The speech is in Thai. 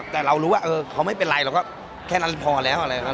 แต่เรารู้ว่าเออไม่เป็นไรแล้วก็แค่นั้นก็พอแล้วอะไรยังงั้น